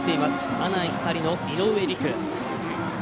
阿南光の井上陸。